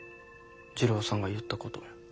次郎さんが言ったこと。